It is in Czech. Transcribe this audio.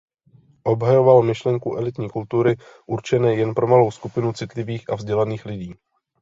Obhajoval myšlenku elitní kultury určené jen pro malou skupinu citlivých a vzdělaných lidí.